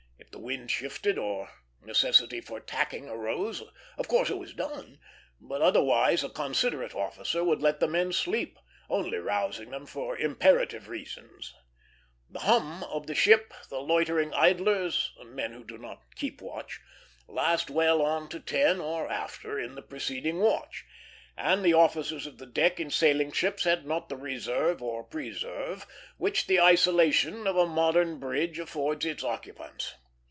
If the wind shifted, or necessity for tacking arose, of course it was done; but otherwise a considerate officer would let the men sleep, only rousing them for imperative reasons. The hum of the ship, the loitering "idlers," men who do not keep watch, last well on to ten, or after, in the preceding watch; and the officers of the deck in sailing ships had not the reserve or preserve which the isolation of the modern bridge affords its occupants.